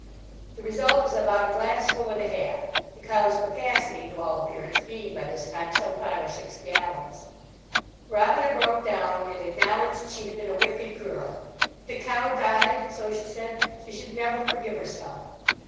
The result was about a glassful and a half, the cow's capacity, to all appearance, being by this time some five or six gallons. Robina broke down, and acknowledged she had been a wicked girl. If the cow died, so she said, she should never forgive herself.